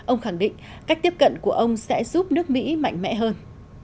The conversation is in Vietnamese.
ông khẳng định cách tiếp cận của ông sẽ giúp nước mỹ mạnh mẽ hơn